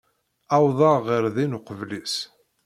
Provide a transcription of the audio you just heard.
Uwḍeɣ ɣer din uqbel-is.